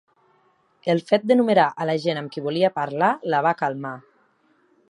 El fet d'enumerar a la gent amb qui volia parlar la va calmar.